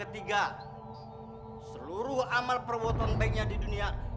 tiga hukuman di saat di dunia